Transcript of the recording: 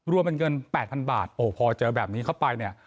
รวมเป็นเงิน๘๐๐๐บาทโอ้พอเจอแบบนี้เข้าไปเนี่ย